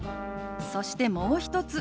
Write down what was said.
そしてもう一つ。